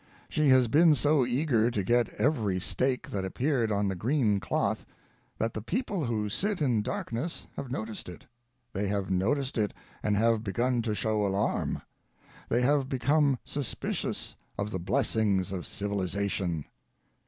She has been so eager to get every stake that ap peared on the green cloth, that the People who Sit in Darkness have noticed it — they have noticed it, and have begun to show alarm. They have become suspicious of the Blessings of Civiliza tion.